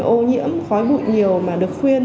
ô nhiễm khói bụi nhiều mà được khuyên